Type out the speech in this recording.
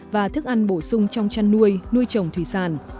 và thức ăn bổ sung trong chăn nuôi nuôi trồng thủy sản